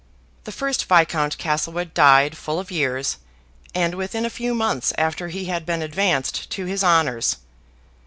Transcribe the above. The first Viscount Castlewood died full of years, and within a few months after he had been advanced to his honors.